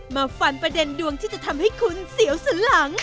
มาฟันประเด็นดวงที่จะทำให้คุณเสียวสันหลัง